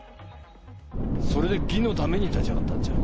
それで義のために立ち上がったんじゃ。